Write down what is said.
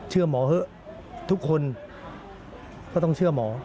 หมอเถอะทุกคนก็ต้องเชื่อหมอ